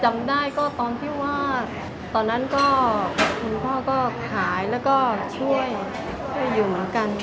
จำได้ก็ตอนที่ว่าตอนนั้นก็คุณพ่อก็ขายแล้วก็ช่วยอยู่เหมือนกัน